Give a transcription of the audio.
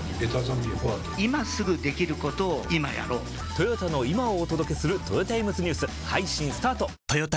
トヨタの今をお届けするトヨタイムズニュース配信スタート！！！